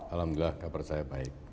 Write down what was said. alhamdulillah kabar saya baik